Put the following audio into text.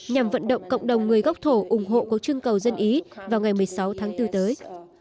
nhằm vận động cộng đồng người gốc thổ ủng hộ cuộc trưng cầu dân ý vào ngày một mươi sáu tháng bốn tới